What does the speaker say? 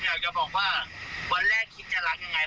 อยากจะบอกว่าวันแรกคิดจะรักยังไง